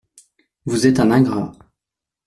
Vous êtes un ingrat…